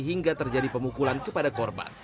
hingga terjadi pemukulan kepada korban